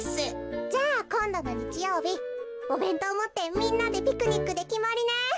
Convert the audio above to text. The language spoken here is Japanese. じゃあこんどのにちようびおべんとうをもってみんなでピクニックできまりね。